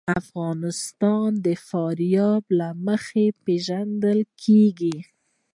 افغانستان د فاریاب له مخې پېژندل کېږي.